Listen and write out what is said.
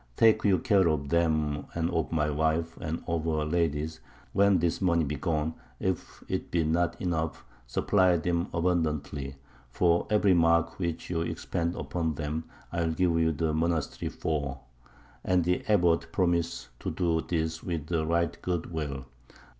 Take you care of them and of my wife and of her ladies: when this money be gone, if it be not enough, supply them abundantly; for every mark which you expend upon them I will give the monastery four. And the Abbot promised to do this with a right good will.